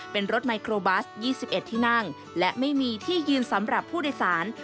เป็นรถไมโครบัส๒๑ที่นั่งและไม่มีที่ยืนสำหรับผู้โดยสาร